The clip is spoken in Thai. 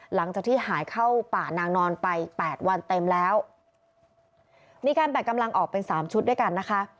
หลังจากที่หายเข้าป่านางนอนไปแปดวันเต็มแล้วมีการแบ่งกำลังออกเป็นสามชุดด้วยกันนะคะ